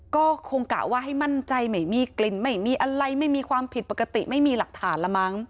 ก็คงกะว่าให้มั่นใจไม่มีกลิ่นไม่มีอะไรไม่มีความผิดปกติไม่มีหลักฐานละมั้ง